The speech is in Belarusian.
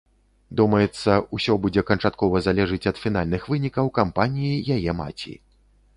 Думаецца, усё будзе канчаткова залежыць ад фінальных вынікаў кампаніі яе маці.